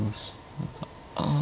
ああ。